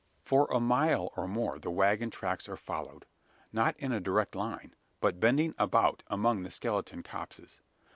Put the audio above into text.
For a mile or more the waggon tracks are followed not in a direct line, but bending about among the skeleton copses.